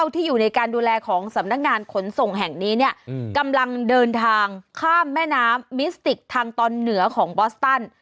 ที่อยู่ในการดูแลของสำนักงานขนส่งแห่งนี้เนี่ยกำลังเดินทางข้ามแม่น้ำมิสติกทางตอนเหนือของบอสตัน